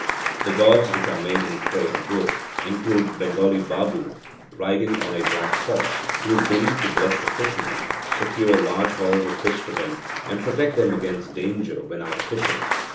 The gods, which are made in clay and wood, include Bengali Babu riding on a black horse, who is believed to bless the fishermen, secure large hauls of fish for them, and protect them against danger when out fishing.